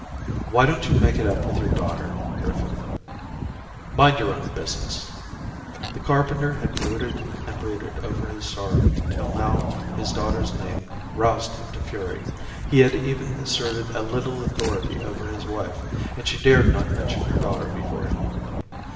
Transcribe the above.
'Why don't you make it up with your daughter, Griffith.^' * Mind your own business !' The carpenter had brooded and brooded over his sorrow till now his daughter's name roused him to fury. He had even asserted a little authority over his wife, and she dared not mention her daughter before him.